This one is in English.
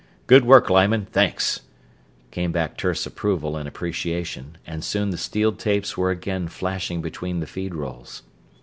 Good work, Lyman thanks," came back terse approval and appreciation, and soon the steel tapes were again flashing between the feed rolls.